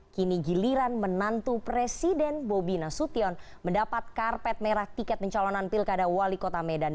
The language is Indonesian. kini giliran menantu presiden bobi nasution mendapat karpet merah tiket pencalonan pilkada wali kota medan